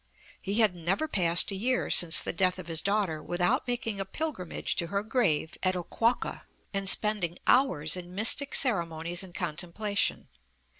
He had never passed a year since the death of his daughter without making a pilgrimage to her grave at Oquawka and spending hours in mystic ceremonies and contemplation.